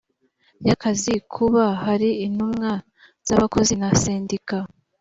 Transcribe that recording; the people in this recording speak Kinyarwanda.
y akazi kuba hari intumwa z abakozi na sendika